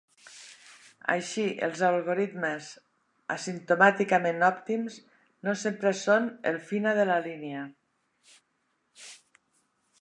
Així, els algoritmes asimptòticament òptims no sempre són el "fina de la línia".